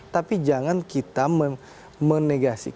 tapi jangan kita menegasikan